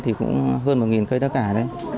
thì cũng hơn một cây tất cả đấy